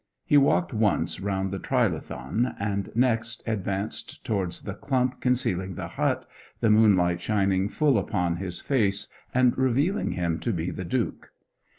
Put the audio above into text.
He walked once round the trilithon, and next advanced towards the clump concealing the hut, the moonlight shining full upon his face and revealing him to be the Duke.